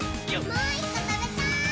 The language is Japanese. もう１こ、たべたい！